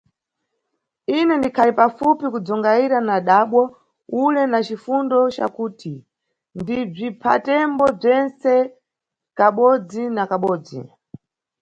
Ine, ndikhali pafupi kudzungayira na mʼdabwo ule na cifundo cakuti ndibziphatembo bzentse kabodzi na kabodzi!